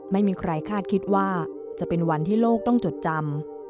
ไม่มีใครคาดคิดว่าจะเป็นวันที่โลกต้องจดจำ